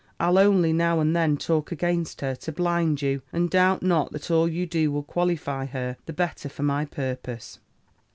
I'll only now and then talk against her, to blind you; and doubt not that all you do will qualify her the better for my purpose.